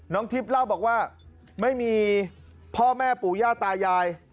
ทิพย์เล่าบอกว่าไม่มีพ่อแม่ปู่ย่าตายาย